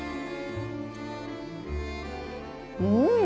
うん！